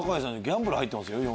ギャンブル入ってます。